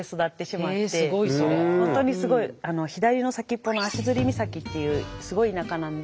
ほんとにすごい左の先っぽの足岬っていうすごい田舎なんで。